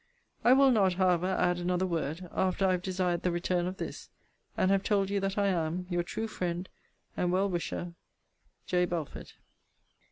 I will not, however, add another word, after I have desired the return of this, and have told you that I am Your true friend, and well wisher, J. BELFORD.